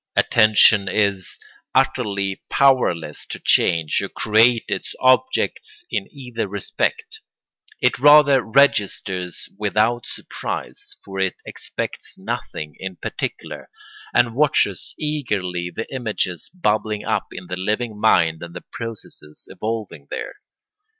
Attention is utterly powerless to change or create its objects in either respect; it rather registers without surprise—for it expects nothing in particular—and watches eagerly the images bubbling up in the living mind and the processes evolving there.